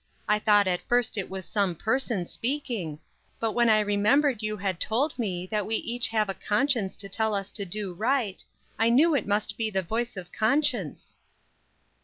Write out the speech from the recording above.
I thought at first it was some person speaking; but when I remembered you had told me that we each have a conscience to tell us to do right, I knew it must be the voice of conscience."